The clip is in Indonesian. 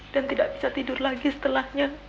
tidak bisa tidur lagi setelahnya